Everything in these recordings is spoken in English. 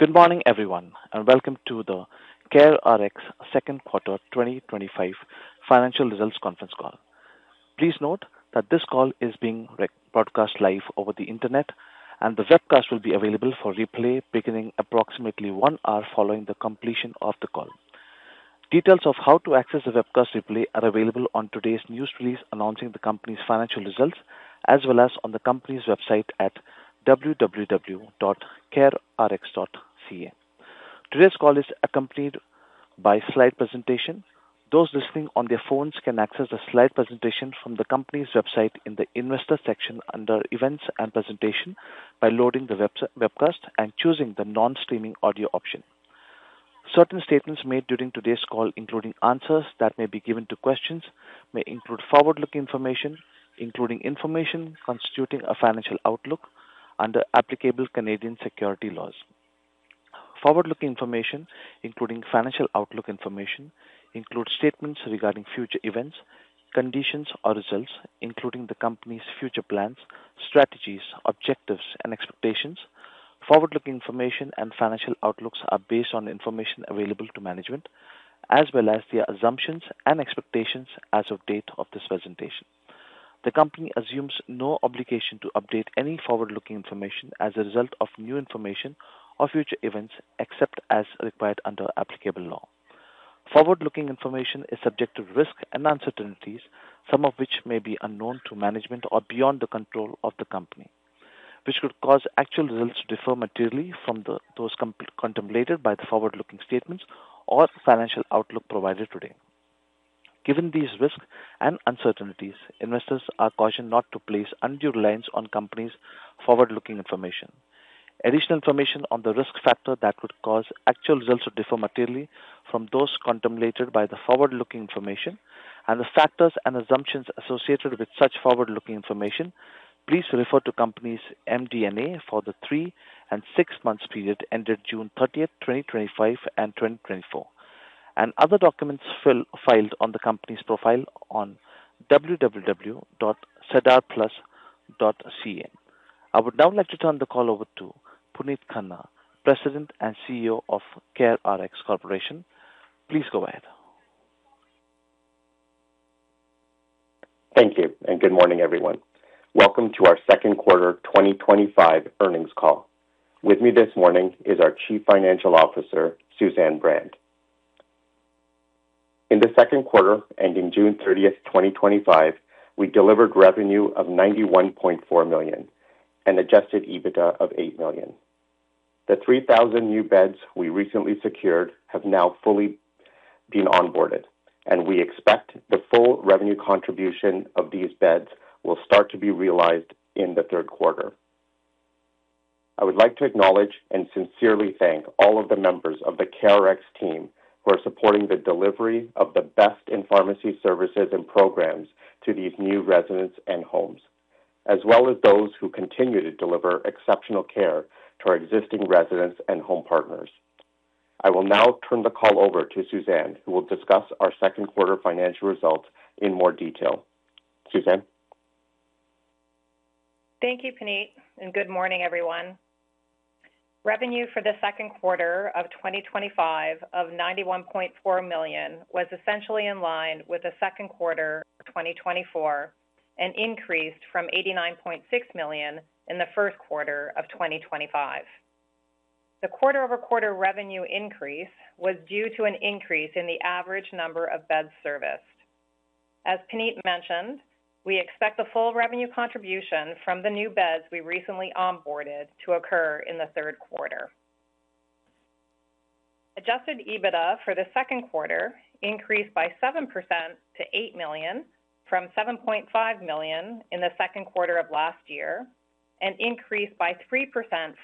Good morning, everyone, and welcome to the CareRx second quarter 2025 financial results conference call. Please note that this call is being broadcast live over the internet, and the webcast will be available for replay beginning approximately one hour following the completion of the call. Details of how to access the webcast replay are available on today's news release announcing the company's financial results, as well as on the company's website at www.carerx.ca. Today's call is accompanied by a slide presentation. Those listening on their phones can access the slide presentation from the company's website in the investor section under Events and Presentation by loading the webcast and choosing the non-streaming audio option. Certain statements made during today's call, including answers that may be given to questions, may include forward-looking information, including information constituting a financial outlook under applicable Canadian securities laws. Forward-looking information, including financial outlook information, includes statements regarding future events, conditions, or results, including the company's future plans, strategies, objectives, and expectations. Forward-looking information and financial outlooks are based on information available to management, as well as the assumptions and expectations as of the date of this presentation. The company assumes no obligation to update any forward-looking information as a result of new information or future events, except as required under applicable law. Forward-looking information is subject to risks and uncertainties, some of which may be unknown to management or beyond the control of the company, which could cause actual results to differ materially from those contemplated by the forward-looking statements or financial outlook provided today. Given these risks and uncertainties, investors are cautioned not to place undue reliance on the company's forward-looking information. Additional information on the risk factors that could cause actual results to differ materially from those contemplated by the forward-looking information and the factors and assumptions associated with such forward-looking information, please refer to the company's MD&A for the three and six months period ended June 30th, 2025 and 2024, and other documents filed on the company's profile on www.sedarplus.ca. I would now like to turn the call over to Puneet Khanna, President and CEO of CareRx Corporation. Please go ahead. Thank you, and good morning, everyone. Welcome to our second quarter 2025 earnings call. With me this morning is our Chief Financial Officer, Suzanne Brand. In the second quarter ending June 30th, 2025, we delivered revenue of $91.4 million and an adjusted EBITDA of $8 million. The 3,000 new beds we recently secured have now fully been onboarded, and we expect the full revenue contribution of these beds will start to be realized in the third quarter. I would like to acknowledge and sincerely thank all of the members of the CareRx team who are supporting the delivery of the best in pharmacy services and programs to these new residents and homes, as well as those who continue to deliver exceptional care to our existing residents and home partners. I will now turn the call over to Suzanne, who will discuss our second quarter financial results in more detail. Suzanne? Thank you, Puneet, and good morning, everyone. Revenue for the second quarter of 2025 of $91.4 million was essentially in line with the second quarter of 2024 and increased from $89.6 million in the first quarter of 2025. The quarter-over-quarter revenue increase was due to an increase in the average number of beds serviced. As Puneet mentioned, we expect the full revenue contribution from the new beds we recently onboarded to occur in the third quarter. Adjusted EBITDA for the second quarter increased by 7% to $8 million from $7.5 million in the second quarter of last year and increased by 3%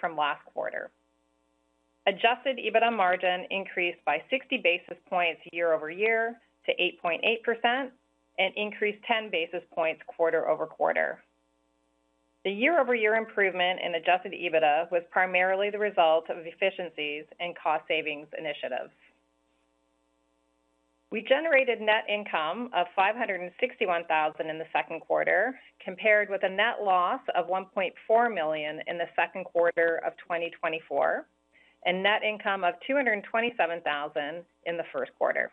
from last quarter. Adjusted EBITDA margin increased by 60 basis points year over year to 8.8% and increased 10 basis points quarter over quarter. The year-over-year improvement in adjusted EBITDA was primarily the result of efficiencies and cost-savings initiatives. We generated net income of $561,000 in the second quarter, compared with a net loss of $1.4 million in the second quarter of 2024 and a net income of $227,000 in the first quarter.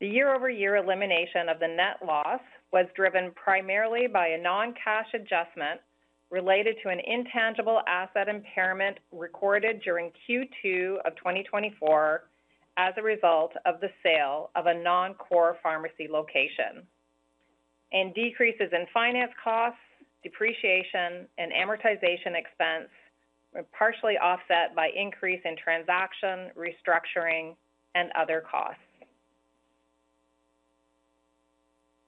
The year-over-year elimination of the net loss was driven primarily by a non-cash adjustment related to an intangible asset impairment recorded during Q2 of 2024 as a result of the sale of a non-core pharmacy location. Decreases in finance costs, depreciation, and amortization expense were partially offset by an increase in transaction, restructuring, and other costs.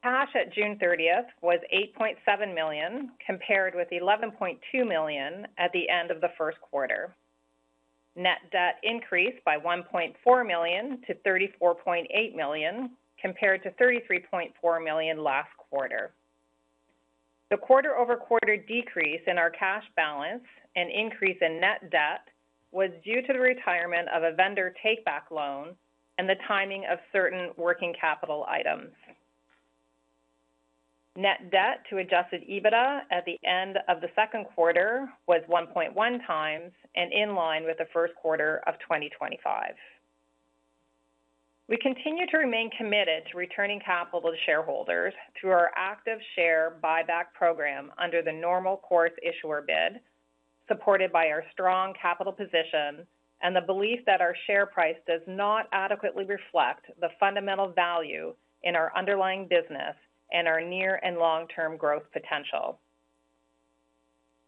Cash at June 30th was $8.7 million, compared with $11.2 million at the end of the first quarter. Net debt increased by $1.4 million-$34.8 million, compared to $33.4 million last quarter. The quarter-over-quarter decrease in our cash balance and increase in net debt was due to the retirement of a vendor takeback loan and the timing of certain working capital items. Net debt to adjusted EBITDA at the end of the second quarter was 1.1 times and in line with the first quarter of 2025. We continue to remain committed to returning capital to shareholders through our active share buyback program under the normal course issuer bid, supported by our strong capital position and the belief that our share price does not adequately reflect the fundamental value in our underlying business and our near and long-term growth potential.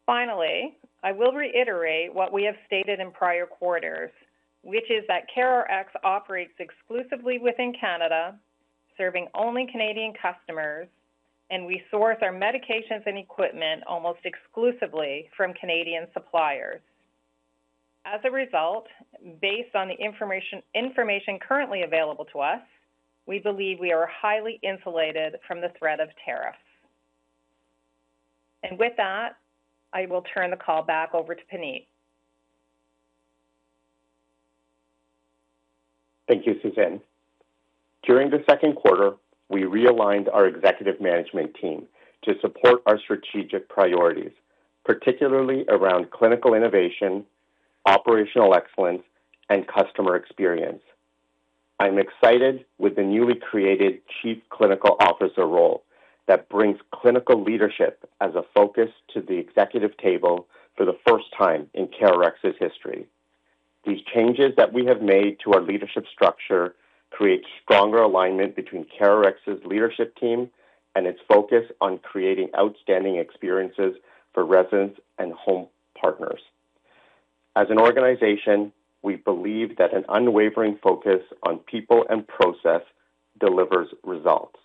Finally, I will reiterate what we have stated in prior quarters, which is that CareRx operates exclusively within Canada, serving only Canadian customers, and we source our medications and equipment almost exclusively from Canadian suppliers. As a result, based on the information currently available to us, we believe we are highly insulated from the threat of tariffs. With that, I will turn the call back over to Puneet. Thank you, Suzanne. During the second quarter, we realigned our executive management team to support our strategic priorities, particularly around clinical innovation, operational excellence, and customer experience. I'm excited with the newly created Chief Clinical Officer role that brings clinical leadership as a focus to the executive table for the first time in CareRx's history. The changes that we have made to our leadership structure create stronger alignment between CareRx's leadership team and its focus on creating outstanding experiences for residents and home partners. As an organization, we believe that an unwavering focus on people and process delivers results.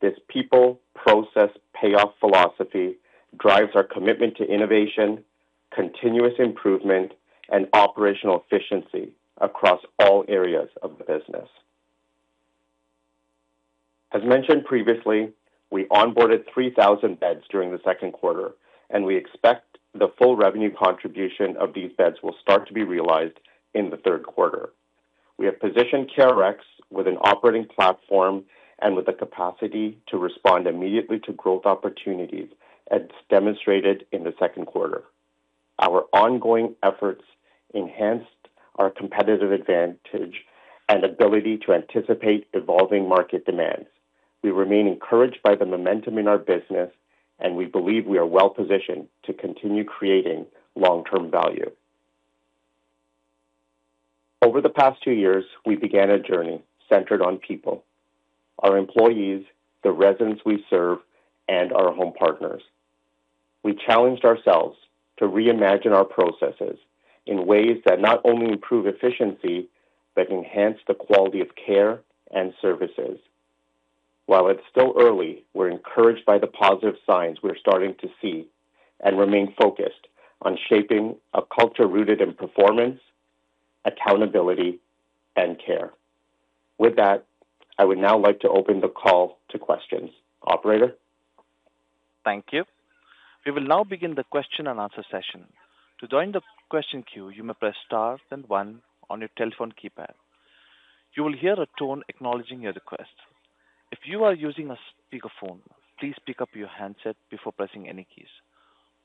This people-process-payoff philosophy drives our commitment to innovation, continuous improvement, and operational efficiency across all areas of the business. As mentioned previously, we onboarded 3,000 beds during the second quarter, and we expect the full revenue contribution of these beds will start to be realized in the third quarter. We have positioned CareRx with an operating platform and with the capacity to respond immediately to growth opportunities, as demonstrated in the second quarter. Our ongoing efforts enhanced our competitive advantage and ability to anticipate evolving market demands. We remain encouraged by the momentum in our business, and we believe we are well-positioned to continue creating long-term value. Over the past two years, we began a journey centered on people: our employees, the residents we serve, and our home partners. We challenged ourselves to reimagine our processes in ways that not only improve efficiency but enhance the quality of care and services. While it's still early, we're encouraged by the positive signs we're starting to see and remain focused on shaping a culture rooted in performance, accountability, and care. With that, I would now like to open the call to questions. Operator? Thank you. We will now begin the question and answer session. To join the question queue, you may press star, then one on your telephone keypad. You will hear a tone acknowledging your request. If you are using a speakerphone, please pick up your handset before pressing any keys.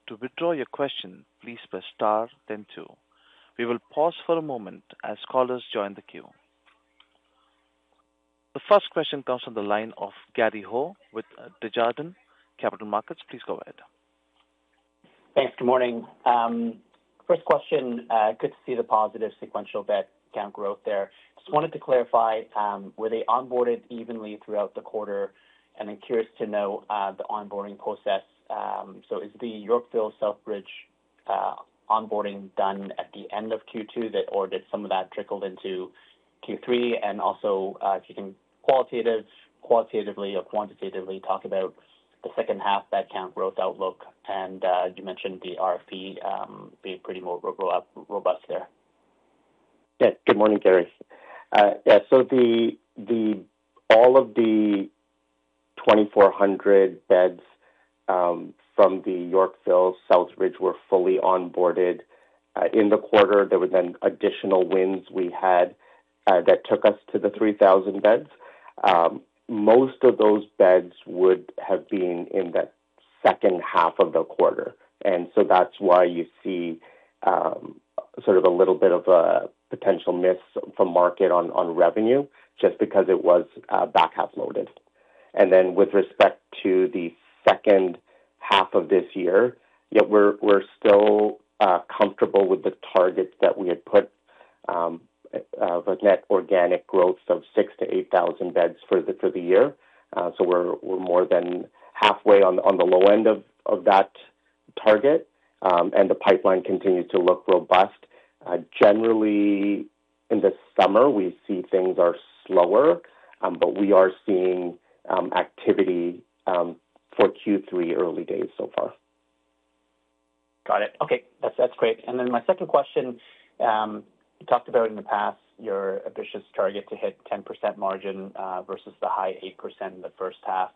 To withdraw your question, please press star, then two. We will pause for a moment as callers join the queue. The first question comes from the line of Gary Ho with Desjardins Capital Markets. Please go ahead. Thanks. Good morning. First question, good to see the positive sequential bed count growth there. I just wanted to clarify, were they onboarded evenly throughout the quarter? I'm curious to know the onboarding process. Is the Yorkville Southbridge onboarding done at the end of Q2, or did some of that trickle into Q3? If you can qualitatively or quantitatively talk about the second half bed count growth outlook, you mentioned the RFP being pretty robust there. Good morning, Gary. All of the 2,400 beds from the Yorkville Southbridge were fully onboarded in the quarter. There were additional wins we had that took us to the 3,000 beds. Most of those beds would have been in that second half of the quarter, which is why you see sort of a little bit of a potential miss from market on revenue just because it was back half loaded. With respect to the second half of this year, we're still comfortable with the targets that we had put of a net organic growth of 6,000-8,000 beds for the year. We're more than halfway on the low end of that target, and the pipeline continues to look robust. Generally, in the summer, we see things are slower, but we are seeing activity for Q3 early days so far. Got it. Okay. That's great. My second question, you talked about in the past your ambitious target to hit 10% margin versus the high 8% in the first half.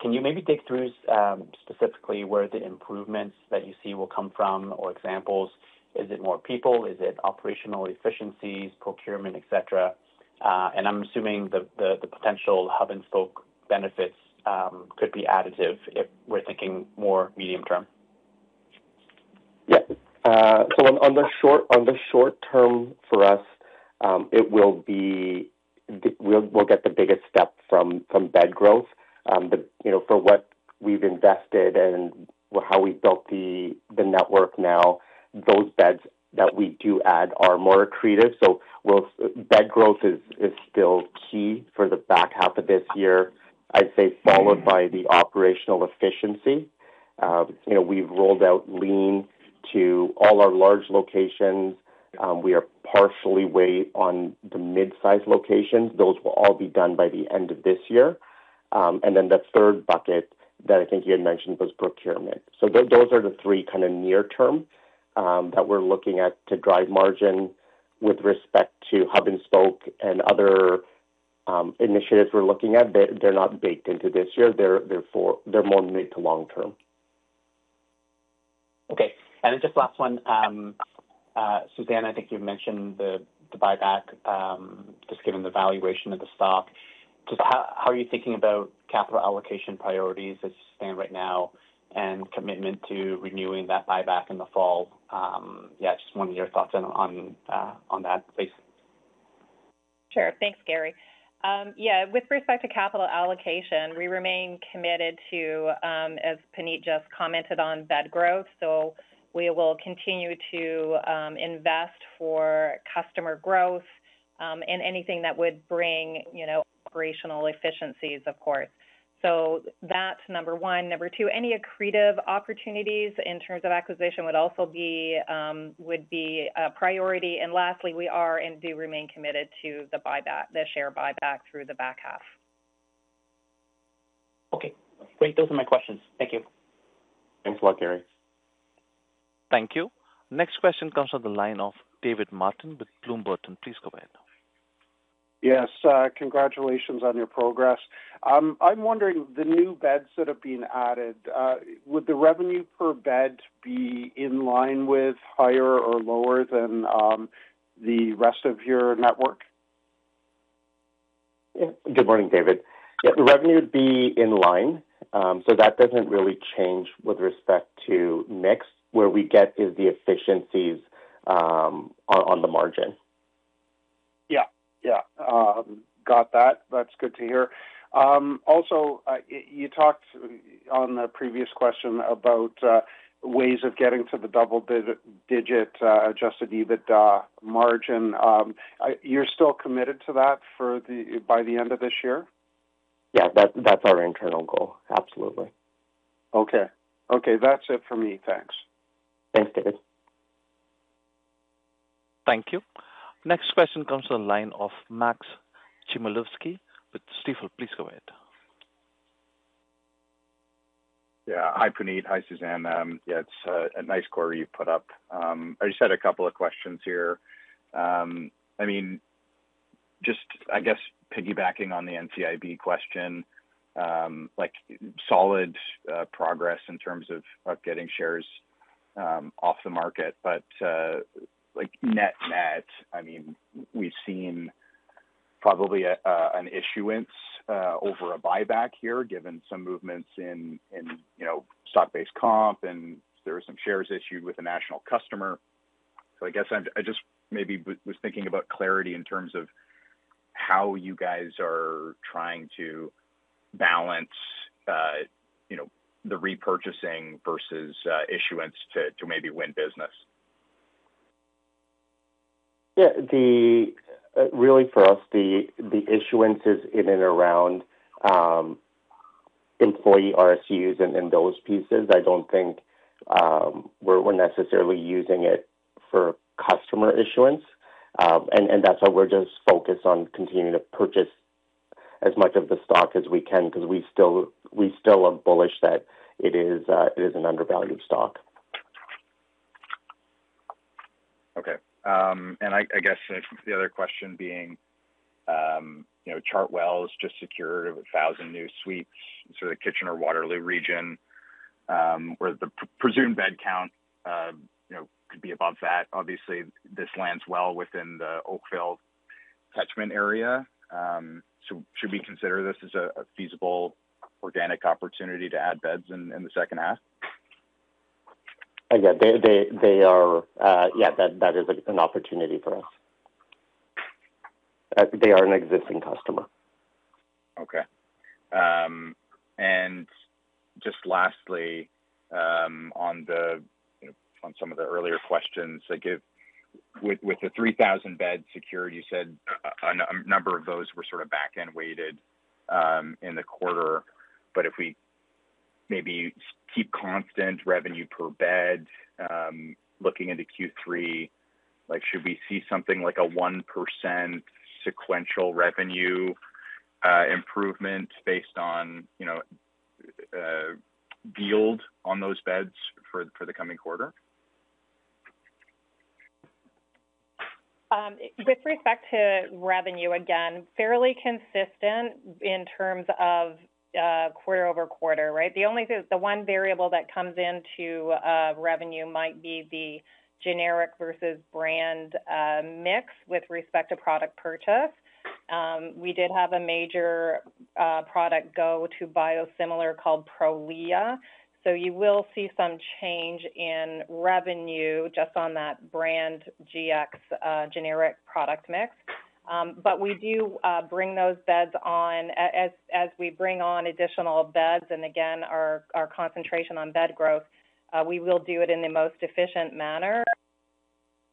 Can you maybe dig through specifically where the improvements that you see will come from or examples? Is it more people? Is it operational efficiencies, procurement, et cetera? I'm assuming the potential hub-and-spoke benefits could be additive if we're thinking more medium term. In the short term for us, we'll get the biggest step from bed growth. For what we've invested and how we've built the network now, those beds that we do add are more accretive. Bed growth is still key for the back half of this year, I'd say, followed by the operational efficiency. We've rolled out lean to all our large locations. We are partially waiting on the mid-size locations. Those will all be done by the end of this year. The third bucket that I think you had mentioned was procurement. Those are the three kind of near term that we're looking at to drive margin with respect to hub-and-spoke and other initiatives we're looking at. They're not baked into this year. They're more mid to long term. Okay. Just last one, Suzanne, I think you've mentioned the buyback, just given the valuation of the stock. How are you thinking about capital allocation priorities as you stand right now and commitment to renewing that buyback in the fall? Yeah, just wanted your thoughts on that, please. Sure. Thanks, Gary. With respect to capital allocation, we remain committed to, as Puneet just commented on, bed growth. We will continue to invest for customer growth and anything that would bring operational efficiencies, of course. That's number one. Number two, any accretive opportunities in terms of acquisition would also be a priority. Lastly, we are and do remain committed to the share buyback through the back half. Okay. Great. Those are my questions. Thank you. Thanks a lot, Gary. Thank you. Next question comes from the line of David Martin with Bloom Burton. Please go ahead. Yes. Congratulations on your progress. I'm wondering, the new beds that are being added, would the revenue per bed be in line with, higher, or lower than the rest of your network? Good morning, David. Yeah, the revenue would be in line. That doesn't really change with respect to Nix. Where we get is the efficiencies on the margin. Yeah, got that. That's good to hear. Also, you talked on the previous question about ways of getting to the double-digit adjusted EBITDA margin. You're still committed to that by the end of this year? Yeah, that's our internal goal. Absolutely. Okay. That's it for me. Thanks. Thanks, David. Thank you. Next question comes from the line of Max Czmielewski with Stifel. Please go ahead. Yeah. Hi, Puneet. Hi, Suzanne. It's a nice query you put up. I just had a couple of questions here. I mean, just, I guess, piggybacking on the NCIB question, like solid progress in terms of getting shares off the market. Net net, we've seen probably an issuance over a buyback here given some movements in stock-based comp, and there were some shares issued with a national customer. I just maybe was thinking about clarity in terms of how you guys are trying to balance the repurchasing versus issuance to maybe win business. Really, for us, the issuance is in and around employee RSUs and those pieces. I don't think we're necessarily using it for customer issuance. That's why we're just focused on continuing to purchase as much of the stock as we can because we still are bullish that it is an undervalued stock. Okay. I guess the other question being, you know, Chartwell just secured 1,000 new suites for the Kitchener or Waterloo region, where the presumed bed count could be above that. Obviously, this lands well within the Oakville catchment area. Should we consider this as a feasible organic opportunity to add beds in the second half? Yeah, that is an opportunity for us. They are an existing customer. Okay. Lastly, on some of the earlier questions, with the 3,000 beds secured, you said a number of those were sort of back-end weighted in the quarter. If we maybe keep constant revenue per bed, looking into Q3, should we see something like a 1% sequential revenue improvement based on yield on those beds for the coming quarter? With respect to revenue, again, fairly consistent in terms of quarter-over-quarter, right? The only thing, the one variable that comes into revenue might be the generic versus brand mix with respect to product purchase. We did have a major product go to biosimilar called Prolia. You will see some change in revenue just on that brand GX generic product mix. We do bring those beds on as we bring on additional beds. Our concentration on bed growth, we will do it in the most efficient manner to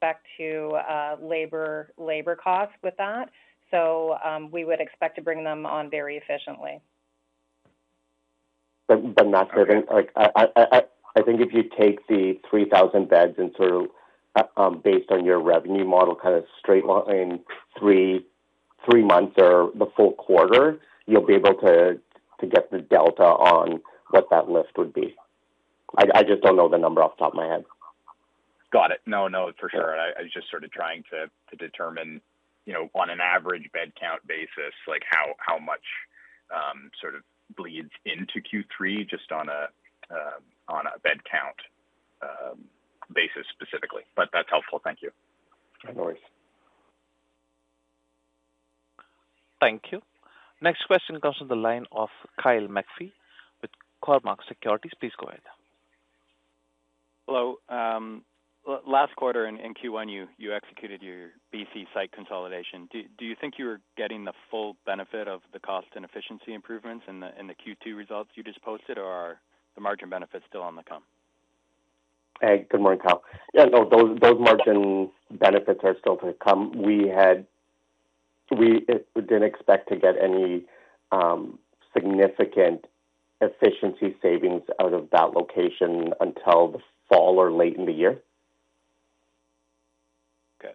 back to labor costs with that. We would expect to bring them on very efficiently. I think if you take the 3,000 beds and sort of based on your revenue model, kind of straight line three months or the full quarter, you'll be able to get the delta on what that lift would be. I just don't know the number off the top of my head. Got it. I was just sort of trying to determine on an average bed count basis how much sort of bleeds into Q3 just on a bed count basis specifically. That's helpful. Thank you. No worries. Thank you. Next question comes from the line of Kyle McPhee with Cormark Securities. Please go ahead. Hello. Last quarter in Q1, you executed your BC site consolidation. Do you think you were getting the full benefit of the cost and efficiency improvements in the Q2 results you just posted, or are the margin benefits still on the come? Hey, good morning, Kyle. Yeah, no, those margin benefits are still to come. We didn't expect to get any significant efficiency savings out of that location until the fall or late in the year. Good.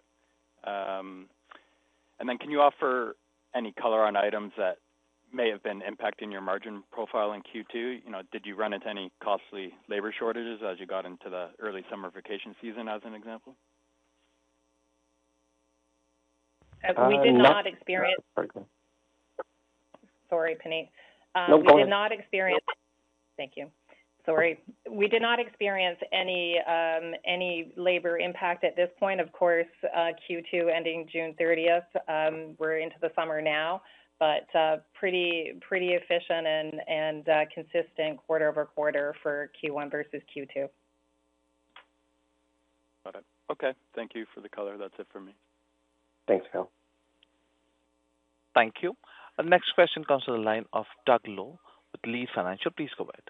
Can you offer any color on items that may have been impacting your margin profile in Q2? Did you run into any costly labor shortages as you got into the early summer vacation season as an example? We did not experience. Sorry, Puneet. No problem. We did not experience. Thank you. Sorry. We did not experience any labor impact at this point. Of course, Q2 ending June 30. We're into the summer now, pretty efficient and consistent quarter over quarter for Q1 versus Q2. Got it. Okay, thank you for the color. That's it for me. Thanks, Kyle. Thank you. Next question comes from the line of Doug Loe with Leede Financial. Please go ahead.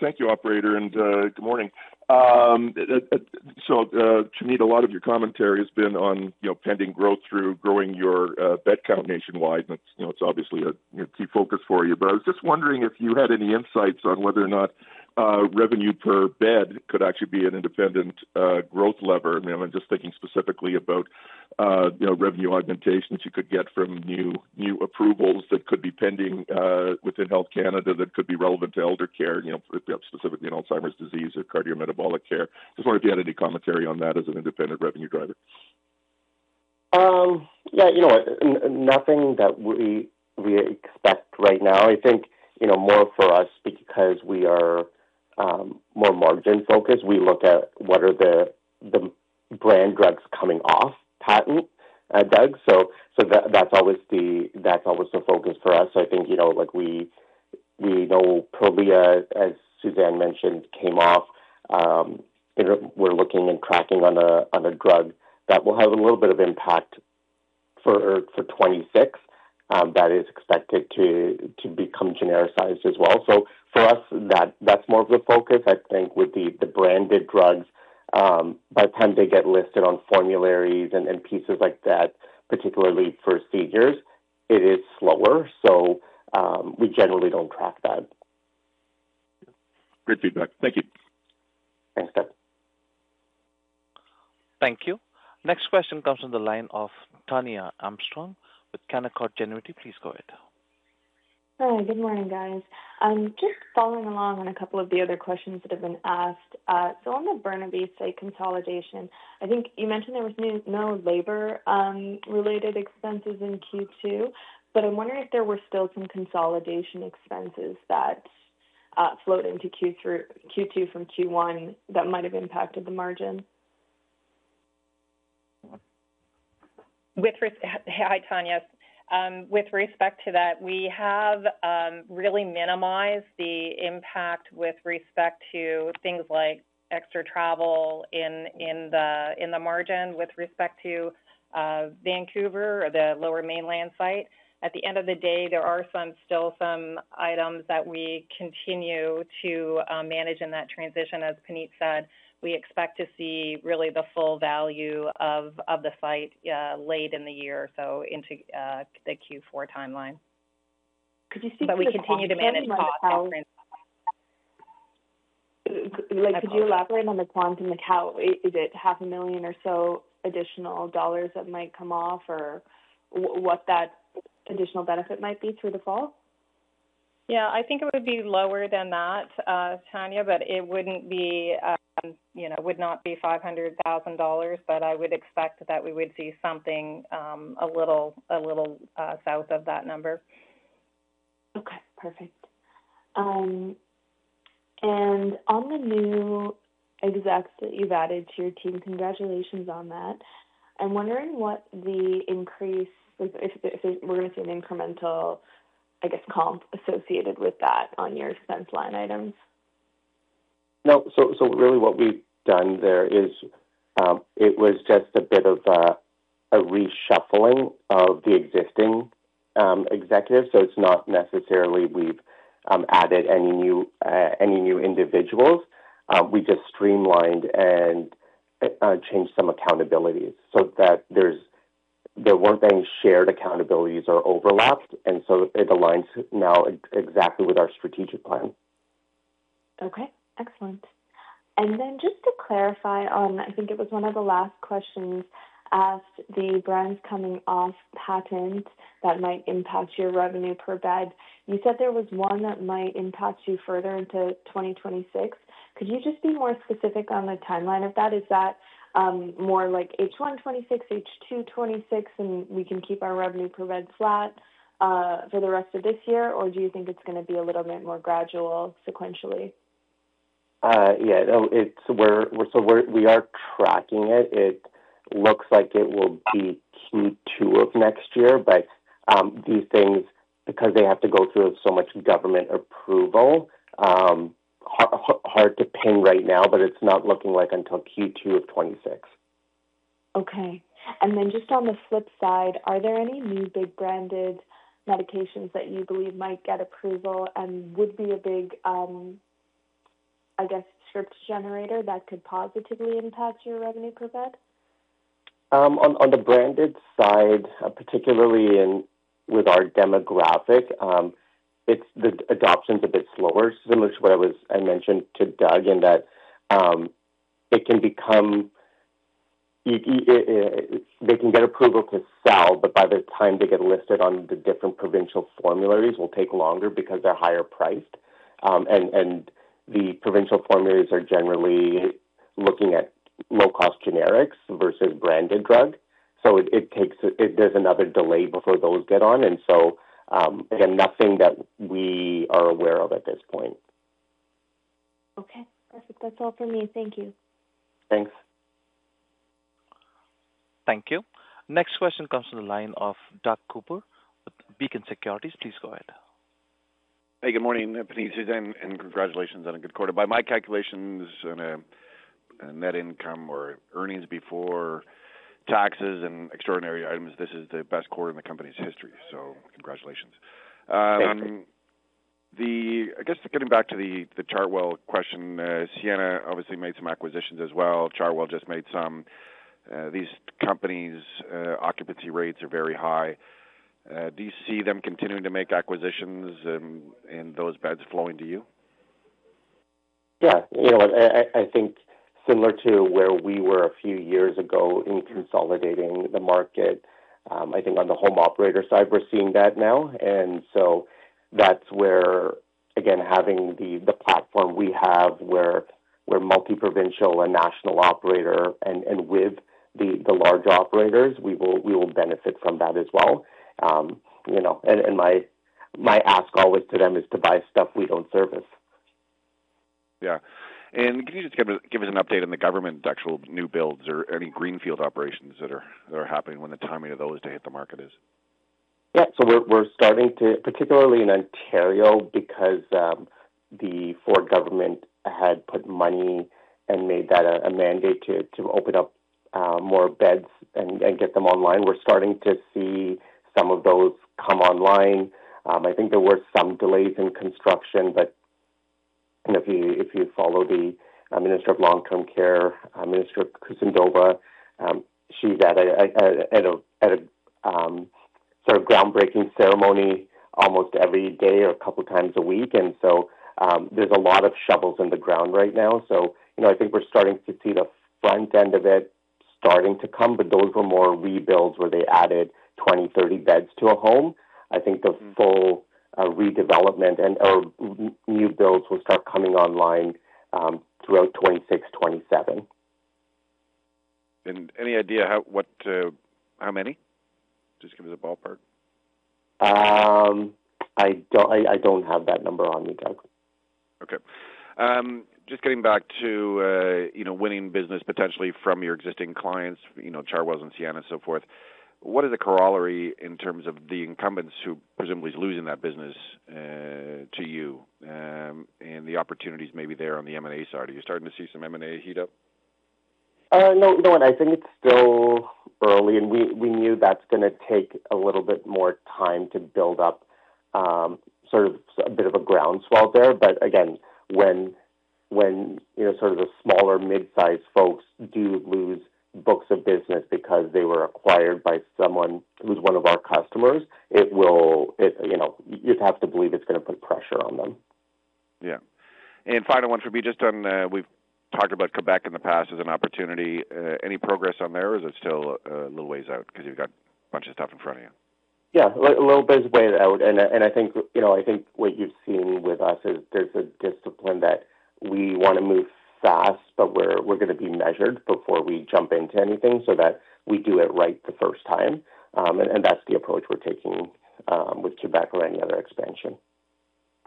Thank you, Operator, and good morning. Puneet, a lot of your commentary has been on pending growth through growing your bed count nationwide. It's obviously a key focus for you. I was just wondering if you had any insights on whether or not revenue per bed could actually be an independent growth lever. I'm just thinking specifically about revenue augmentation that you could get from new approvals that could be pending within Health Canada that could be relevant to elder care, specifically in Alzheimer's disease or cardiometabolic care. I just wondered if you had any commentary on that as an independent revenue driver. Yeah, nothing that we expect right now. I think more for us because we are more margin-focused. We look at what are the brand drugs coming off patent, Doug. That's always the focus for us. I think, like we, Prolia, as Suzanne mentioned, came off. We're looking and tracking on a drug that will have a little bit of impact for 2026. That is expected to become genericized as well. For us, that's more of the focus. I think with the branded drugs, by the time they get listed on formularies and pieces like that, particularly for seizures, it is slower. We generally don't track that. Good feedback. Thank you. Thanks, Doug. Thank you. Next question comes from the line of Tania Armstrong with Canaccord Genuity. Please go ahead. Hi. Good morning, guys. I'm just following along on a couple of the other questions that have been asked. On the Burnaby site consolidation, I think you mentioned there were no labor-related expenses in Q2, but I'm wondering if there were still some consolidation expenses that floated into Q2 from Q1 that might have impacted the margin. Hi, Tania. With respect to that, we have really minimized the impact with respect to things like extra travel in the margin with respect to Vancouver or the Lower Mainland site. At the end of the day, there are still some items that we continue to manage in that transition. As Puneet said, we expect to see really the full value of the site late in the year, into the Q4 timeline. Could you speak to the quantum? We continue to manage costs. Could you elaborate on the quantum? Is it $500,000 or so additional dollars that might come off or what that additional benefit might be through the fall? Yeah, I think it would be lower than that, Tania, but it wouldn't be, you know, would not be $500,000. I would expect that we would see something a little south of that number. Okay. Perfect. On the new execs that you've added to your team, congratulations on that. I'm wondering what the increase, if we're going to see an incremental, I guess, comp associated with that on your expense line items. No. What we've done there is it was just a bit of a reshuffling of the existing executives. It's not necessarily we've added any new individuals. We just streamlined and changed some accountabilities so that there weren't any shared accountabilities or overlaps. It aligns now exactly with our strategic plan. Okay. Excellent. Just to clarify on, I think it was one of the last questions asked, the brands coming off patent that might impact your revenue per bed. You said there was one that might impact you further into 2026. Could you just be more specific on the timeline of that? Is that more like H1 2026, H2 2026, and we can keep our revenue per bed flat for the rest of this year, or do you think it's going to be a little bit more gradual sequentially? We are tracking it. It looks like it will be Q2 of next year, but these things, because they have to go through so much government approval, are hard to pin right now. It's not looking like until Q2 of 2026. Okay. Just on the flip side, are there any new big branded medications that you believe might get approval and would be a big, I guess, surge generator that could positively impact your revenue per bed? On the branded side, particularly with our demographic, the adoption is a bit slower, similar to what I mentioned to Doug, in that they can get approval to sell, but by the time they get listed on the different provincial formularies, it will take longer because they're higher priced. The provincial formularies are generally looking at low-cost generics versus branded drugs. It takes another delay before those get on. Again, nothing that we are aware of at this point. Okay. Perfect. That's all for me. Thank you. Thanks. Thank you. Next question comes from the line of Doug Cooper with Beacon Securities. Please go ahead. Hey, good morning, Puneet, Suzanne, and congratulations on a good quarter. By my calculations and net income or earnings before taxes and extraordinary items, this is the best quarter in the company's history. Congratulations. Thanks. I guess getting back to the Chartwell question, Sienna obviously made some acquisitions as well. Chartwell just made some. These companies' occupancy rates are very high. Do you see them continuing to make acquisitions and those beds flowing to you? Yeah. I think similar to where we were a few years ago in consolidating the market, I think on the home operator side, we're seeing that now. That's where, again, having the platform we have where we're multi-provincial and national operator and with the large operators, we will benefit from that as well. My ask always to them is to buy stuff we don't service. Can you just give us an update on the government actual new builds or any greenfield operations that are happening? What the timing of those to hit the market is? Yeah. We're starting to, particularly in Ontario, because the Ford government had put money and made that a mandate to open up more beds and get them online. We're starting to see some of those come online. I think there were some delays in construction, but if you follow the Minister of Long-Term Care, Minister Kusindova, she's at a sort of groundbreaking ceremony almost every day or a couple of times a week. There's a lot of shovels in the ground right now. I think we're starting to see the front end of it starting to come, but those were more rebuilds where they added 20, 30 beds to a home. I think the full redevelopment and/or new builds will start coming online throughout 2026, 2027. have any idea how many? Just give us a ballpark. I don't have that number on me, Doug. Okay. Just getting back to, you know, winning business potentially from your existing clients, you know, Chartwell and Sienna and so forth, what is the corollary in terms of the incumbents who presumably are losing that business to you, and the opportunities maybe there on the M&A side? Are you starting to see some M&A heat up? No. You know what? I think it's still early, and we knew that's going to take a little bit more time to build up sort of a bit of a groundswell there. Again, when sort of the smaller mid-sized folks do lose books of business because they were acquired by someone who's one of our customers, it will, you know, you'd have to believe it's going to put pressure on them. Yeah. Final one for me, just on we've talked about Quebec in the past as an opportunity. Any progress on there, or is it still a little ways out because you've got a bunch of stuff in front of you? Yeah, a little bit of ways out. I think what you've seen with us is there's a discipline that we want to move fast, but we're going to be measured before we jump into anything so that we do it right the first time. That's the approach we're taking with Quebec or any other expansion.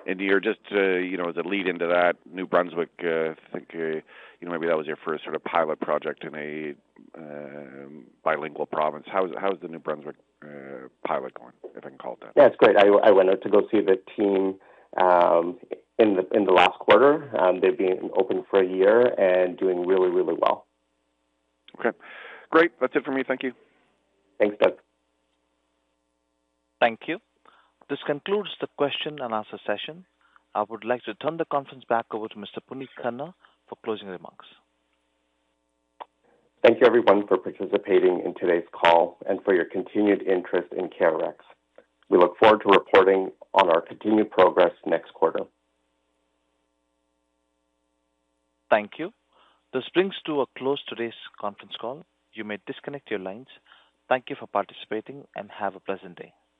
As a lead into that, New Brunswick, I think maybe that was your first sort of pilot project in a bilingual province. How's the New Brunswick pilot going, if I can call it that? Yeah, it's great. I went out to go see the team in the last quarter. They've been open for a year and doing really, really well. Okay. Great. That's it for me. Thank you. Thanks, Doug. Thank you. This concludes the question-and-answer session. I would like to turn the conference back over to Mr. Puneet Khanna for closing remarks. Thank you, everyone, for participating in today's call and for your continued interest in CareRx. We look forward to reporting on our continued progress next quarter. Thank you. This brings to a close today's conference call. You may disconnect your lines. Thank you for participating and have a pleasant day.